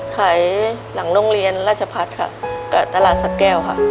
หลังโรงเรียนราชพัฒน์ค่ะกับตลาดสะแก้วค่ะ